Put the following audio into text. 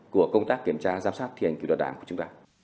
của công tác kiểm tra giám sát thi hành kỳ luật đảng của chúng ta